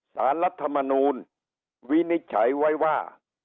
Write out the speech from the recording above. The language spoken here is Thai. สารรัฐมนูลวินิจฉัยไว้ว่า